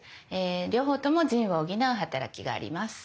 両方とも腎を補う働きがあります。